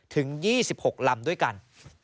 ถึง๒๖ลำด้วยกัน